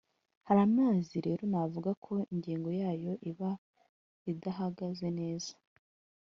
Hari amezi rero navuga ko ingengo yayo iba idahagaze neza